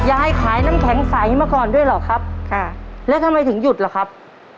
ยายขายน้ำแข็งใสมาก่อนด้วยเหรอครับค่ะแล้วทำไมถึงหยุดล่ะครับ